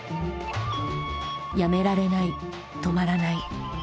やめられない止まらない。